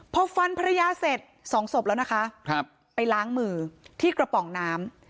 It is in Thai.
พอฟันภรรยาเสร็จสองศพแล้วนะคะไปล้างมือที่กระป๋องน้ำ